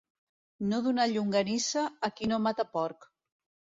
No donar llonganissa a qui no mata porc.